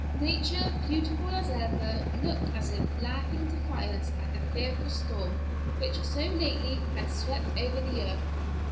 Nature, beautiful as ever, looked as if laughing defiance at the fearful storm which so lately had swept over the earth.